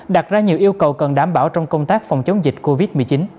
đặt ra nhiều yêu cầu cần đảm bảo trong công tác phòng chống dịch covid một mươi chín